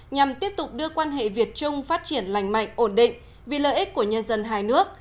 nhằm tiếp tục đưa quan hệ việt trung phát triển lành mạnh ổn định vì lợi ích của nhân dân hai nước